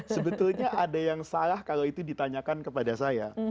sebetulnya ada yang salah kalau itu ditanyakan kepada saya